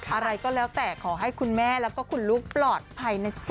อะไรก็แล้วแต่ขอให้คุณแม่แล้วก็คุณลูกปลอดภัยนะจ๊